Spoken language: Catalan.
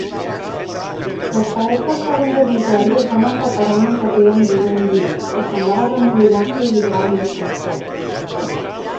Les parets del segon dormitori es van empaperar amb un paper amb disseny lívid que semblava arremolinar-se i vibrar amb desconcert.